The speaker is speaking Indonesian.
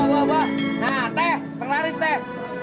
teh teh teh kita beli dulu teh